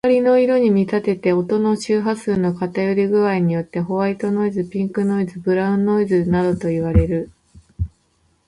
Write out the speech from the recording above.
光の色に見立てて、音の周波数の偏り具合によってホワイトノイズ、ピンクノイズ、ブラウンノイズなどといわれる。